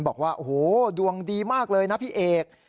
บอกว่าโอ้โหดวงดีมากเลยนะพี่เอก